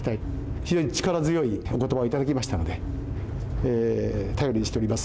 非常に力強いおことばをいただきましたので頼りにしております。